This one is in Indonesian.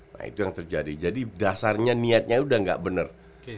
nah itu yang terjadi jadi dasarnya niatnya udah nggak benar